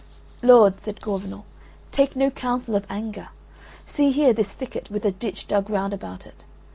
"Lord," said Gorvenal, "take no counsel of anger. See here this thicket with a ditch dug round about it.